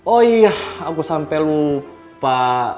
oh iya aku sampai lupa pak